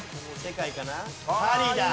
世界かな？